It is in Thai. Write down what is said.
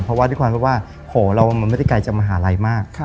เพราะว่าด้วยความที่ว่าโหเรามันไม่ได้ไกลจากมหาลัยมาก